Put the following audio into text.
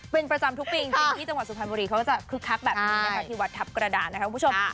เป็นประจำทุกปีจริงที่จังหวัดสุพรรณบุรีเขาก็จะคึกคักแบบนี้นะคะที่วัดทัพกระดานนะคะคุณผู้ชม